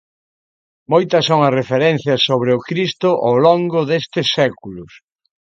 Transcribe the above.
Moitas son as referencias sobre o Cristo ao longo deste séculos.